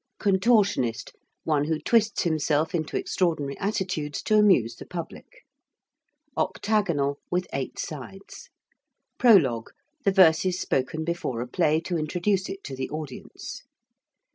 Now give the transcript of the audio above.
~contortionist~: one who twists himself into extraordinary attitudes to amuse the public. ~octagonal~: with eight sides. ~prologue~: the verses spoken before a play to introduce it to the audience.